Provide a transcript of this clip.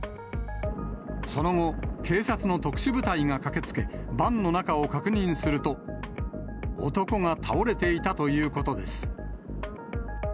その後、警察の特殊部隊が駆けつけ、バンの中を確認すると、男が倒れていたということです。